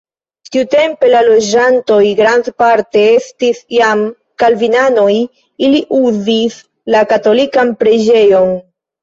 Tiutempe la loĝantoj grandparte estis jam kalvinanoj, ili uzis la katolikan preĝejon.